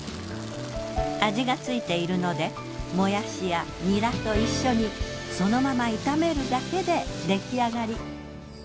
味がついているのでもやしやニラと一緒にそのまま炒めるだけでできあがり。